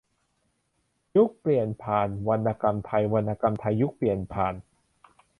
- ยุคเปลี่ยนผ่านวรรณกรรมไทย วรรณกรรมไทยยุคเปลี่ยนผ่าน